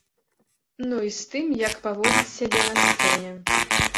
Ну і з тым, як паводзіць сябе на сцэне.